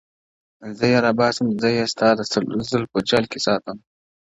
زه يې راباسم زه يې ستا د زلفو جال کي ساتم _